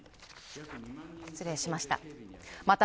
失礼しました